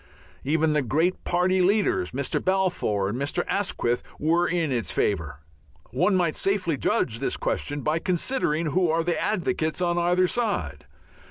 Even the great party leaders, Mr. Balfour and Mr. Asquith, were in its favour. One might safely judge this question by considering who are the advocates on either side.